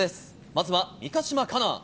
まずは三ヶ島かな。